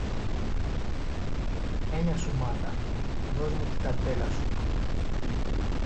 Έννοια σου, Μάνα, δώσ' μου την ταντέλα σου.